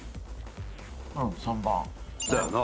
うん３番だよな？